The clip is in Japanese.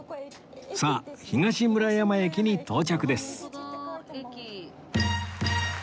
さあ東村山駅に到着です